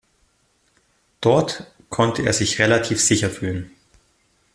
Dort konnte er sich relativ sicher fühlen.